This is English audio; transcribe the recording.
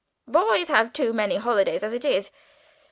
Boys have too many holidays as it is.